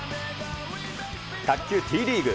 卓球Ｔリーグ。